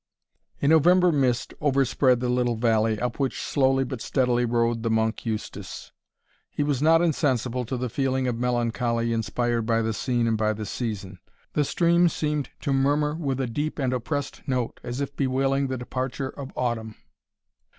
A November mist overspread the little valley, up which slowly but steadily rode the Monk Eustace. He was not insensible to the feeling of melancholy inspired by the scene and by the season. The stream seemed to murmur with a deep and oppressed note, as if bewailing the departure of autumn.